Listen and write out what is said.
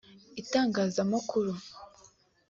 Itangazamakuru